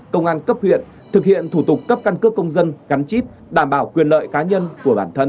công an cấp huyện thực hiện thủ tục cấp căn cước công dân gắn chip đảm bảo quyền lợi cá nhân của bản thân